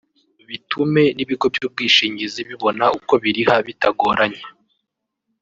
bitume n’ibigo by’ubwishingizi bibona uko biriha bitagoranye